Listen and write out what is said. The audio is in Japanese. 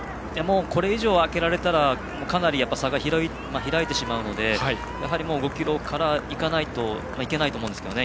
これ以上あけられたらかなり差が開いてしまうので５ｋｍから行かないといけないと思いますね